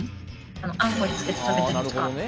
あんこにつけて食べたりとか。